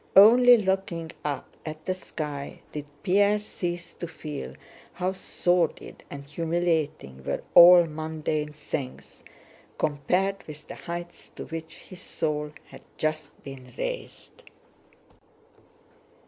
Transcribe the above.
Only looking up at the sky did Pierre cease to feel how sordid and humiliating were all mundane things compared with the heights to which his soul had just been raised.